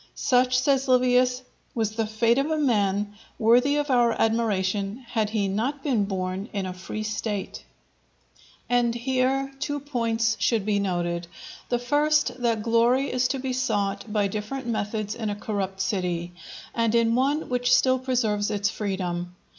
"Such," says Livius, "was the fate of a man worthy our admiration had he not been born in a free State." And here two points should be noted. The first, that glory is to be sought by different methods in a corrupt city, and in one which still preserves its freedom.